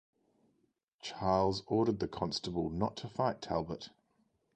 Charles ordered the Constable not to fight Talbot.